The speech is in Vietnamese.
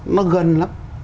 nó gần lắm